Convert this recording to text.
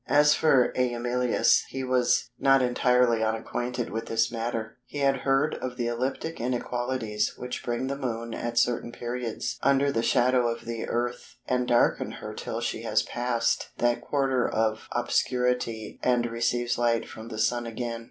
As for Æmilius, he was not entirely unacquainted with this matter; he had heard of the ecliptic inequalities which bring the Moon at certain periods under the shadow of the Earth and darken her till she has passed that quarter of obscurity and receives light from the Sun again.